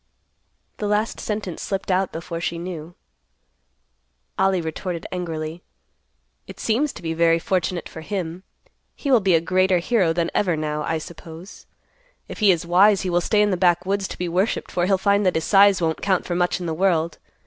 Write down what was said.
The last sentence slipped out before she knew. Ollie retorted angrily, "It seems to be very fortunate for him. He will be a greater hero than ever, now, I suppose. If he is wise, he will stay in the backwoods to be worshipped for he'll find that his size won't count for much in the world.